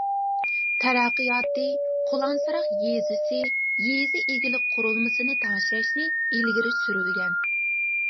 تەرەققىياتى قۇلانساراق يېزىسى يېزا ئىگىلىك قۇرۇلمىسىنى تەڭشەشنى ئىلگىرى سۈرۈلگەن.